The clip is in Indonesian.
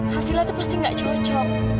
hasilnya itu pasti gak cocok